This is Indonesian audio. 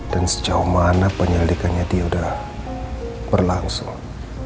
dan sejauh mana penyelidikannya dia udah berlangsung